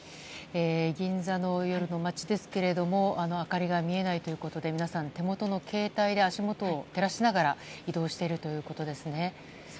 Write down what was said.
銀座の夜の街ですが明かりが見えないということで皆さん、手元の携帯で足元を照らしながら移動しているということですね。